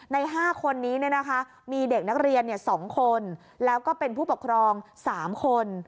ใน๕คนนี้มีเด็กนักเรียน๒คนแล้วก็เป็นผู้ปกครอง๓คน